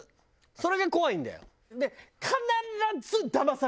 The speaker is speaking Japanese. それが怖いんだよ。